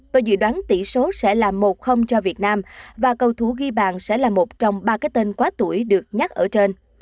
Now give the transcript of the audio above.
tôi dự đoán tỷ số sẽ là một cho việt nam và cầu thủ ghi bàn sẽ là một trong ba cái tên quá tuổi được nhắc ở trên